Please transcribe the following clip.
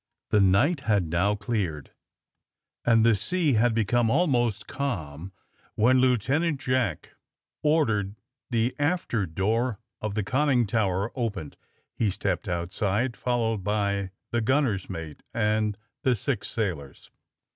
The night had now cleared, and the sea had become almost calm when Lieutenant Jack or AND THE SMUGGLEES 121 dered the after door of the conning tower opened. He stepped outside, followed by the gunner's mate and the six sailors.